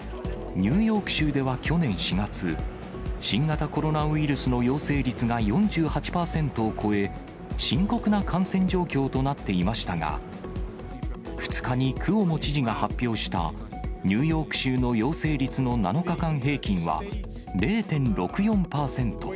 ニューヨーク州では去年４月、新型コロナウイルスの陽性率が４８％を超え、深刻な感染状況となっていましたが、２日にクオモ知事が発表した、ニューヨーク州の陽性率の７日間平均は０．６４％。